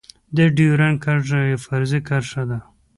د ډيورند کرښه يوه فرضي کرښه ده.